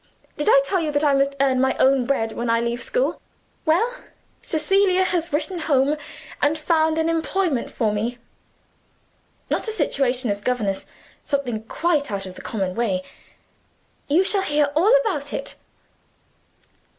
Did I tell you that I must earn my own bread when I leave school? Well, Cecilia has written home and found an employment for me. Not a situation as governess something quite out of the common way. You shall hear all about it."